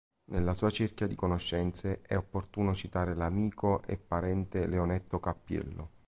Nella sua cerchia di conoscenze è opportuno citare l'amico e parente Leonetto Cappiello.